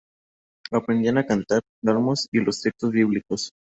Aprendían a los cantar salmos y los textos bíblicos.